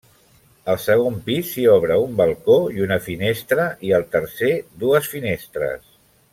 Al segon pis s'hi obre un balcó i una finestra i al tercer dues finestres.